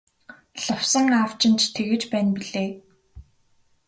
Лувсан аав чинь ч тэгж байна билээ.